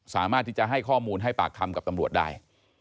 สามารถที่จะให้ข้อมูลให้ปากคำกับตำรวจได้